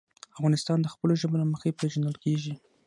افغانستان د خپلو ژبو له مخې پېژندل کېږي.